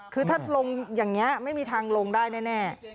คือถ้าลงอย่างนี้ไม่มีทางลงได้แน่